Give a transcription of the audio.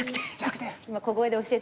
今小声で教えて。